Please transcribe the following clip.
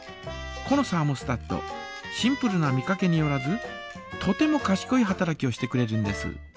このサーモスタットシンプルな見かけによらずとてもかしこい働きをしてくれるんです。